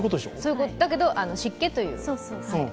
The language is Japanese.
だけど、湿気という。